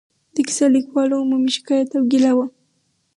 د کیسه لیکوالو عمومي شکایت او ګیله وه.